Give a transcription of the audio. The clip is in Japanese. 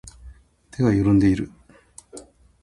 手が悴んでいる